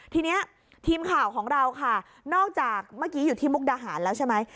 ทีนี้ทีมข่าวของเราค่ะนอกจากเมื่อกี้อยู่ที่มุกดาหารแล้วใช่ไหม